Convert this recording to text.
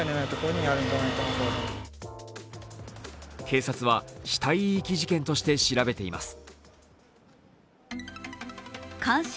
警察は死体遺棄事件として調べています。